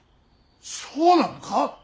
そうなのか。